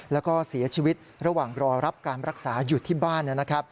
แล้วก็เสียชีวิตระหว่างรอรับการรักษาอยู่ที่บ้าน